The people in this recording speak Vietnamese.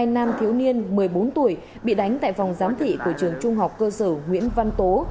hai nam thiếu niên một mươi bốn tuổi bị đánh tại phòng giám thị của trường trung học cơ sở nguyễn văn tố